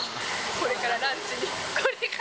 これからランチ？